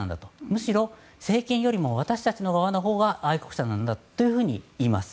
むしろ、政権よりも私たちの側のほうが愛国者なんだと言います。